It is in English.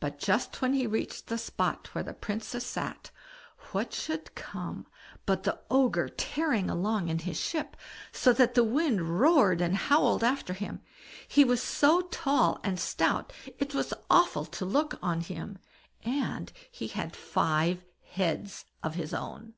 But just as he reached the spot where the Princess sat, what should come but the Ogre tearing along in his ship, so that the wind roared and howled after him. He was so tall and stout it was awful to look on him, and he had five heads of his own.